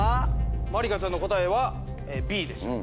まりかちゃんの答えはＢでした。